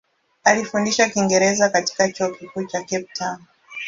Alifundisha Kiingereza katika Chuo Kikuu cha Cape Town.